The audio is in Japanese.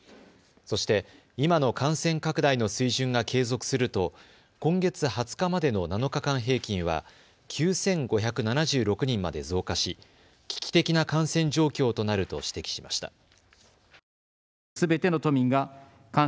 そして今の感染拡大の水準が継続すると今月２０日までの７日間平均は９５７６人まで増加し危機的な感染状況となると指摘しました。